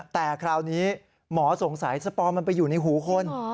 แต่คราวนี้หมอสงสัยสปอร์มันไปอยู่ในหูคน